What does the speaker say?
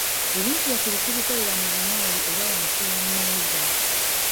Ebintu byaffe tetubikolera mu bumooli oba wansi wa mmeeza.